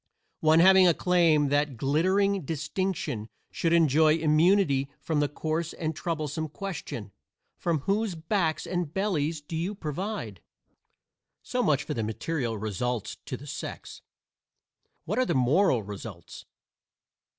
One having a claim to that glittering distinction should enjoy immunity from the coarse and troublesome question, "From whose backs and bellies do you provide?" So much for the material results to the sex. What are the moral results?